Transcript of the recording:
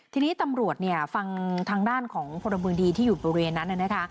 ทีนี้ตำรวจเนี่ยฟังทางด้านของพลเมืองดีที่อยู่บริเวณนั้นนะคะ